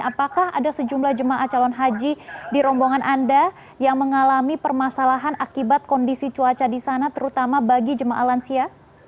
apakah ada sejumlah jemaah calon haji di rombongan anda yang mengalami permasalahan akibat kondisi cuaca di sana terutama bagi jemaah lansia